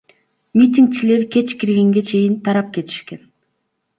Митингчилер кеч киргенге чейин тарап кетишкен.